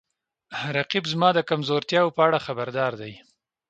رقیب زما د کمزورتیاو په اړه خبرداری دی